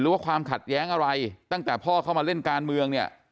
ความขัดแย้งอะไรตั้งแต่พ่อเข้ามาเล่นการเมืองเนี่ย